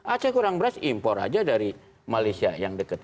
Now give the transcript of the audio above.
aceh kurang beras impor aja dari malaysia yang deket